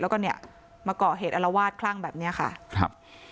แล้วก็เกราะเหตุอะไรอาลาวาทคลั่งแบบนี้ค่ะ